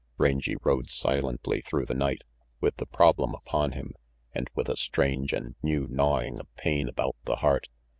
Rangy rode silently through the night, with the problem upon him, and with a strange and new gnawing of pain about the heart.